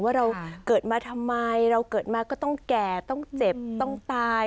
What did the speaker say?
ว่าเราเกิดมาทำไมเราเกิดมาก็ต้องแก่ต้องเจ็บต้องตาย